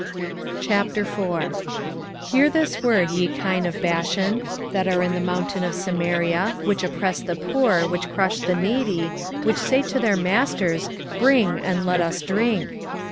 4:1 Hear this word, ye kine of Bashan, that are in the mountain of Samaria, which oppress the poor, which crush the needy, which say to their masters, Bring, and let us drink.